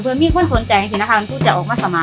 หรือมีลูกล้านคลายที่ยังไม่ได้